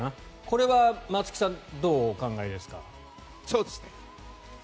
これは松木さんどうお考えですか？